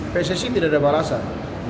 pssi tidak ada balasan